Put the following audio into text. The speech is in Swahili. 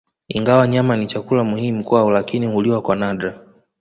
Ingawa nyama ni chakula muhimu kwao lakini huliwa kwa nadra